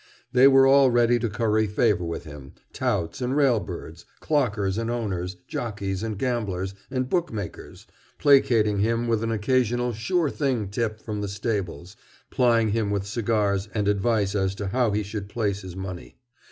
They were all ready to curry favor with him, touts and rail birds, clockers and owners, jockeys and gamblers and bookmakers, placating him with an occasional "sure thing" tip from the stables, plying him with cigars and advice as to how he should place his money.